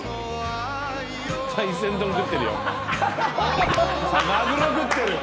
海鮮丼食ってるよ。